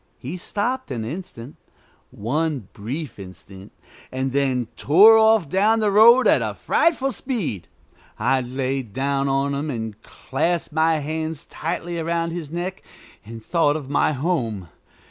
He stopped an instant, one brief instant, and then tore off down the road at a frightful speed. I lay down on him and clasped my hands tightly around his neck, and thought of my home.